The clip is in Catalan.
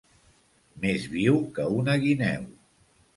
Més viu que una guineu.